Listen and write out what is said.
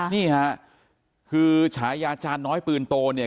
นี่ค่ะคือฉายาจารย์น้อยปืนโตเนี่ย